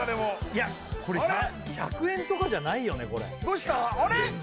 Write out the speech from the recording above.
いやこれ１００円とかじゃないよねどうしたあれ？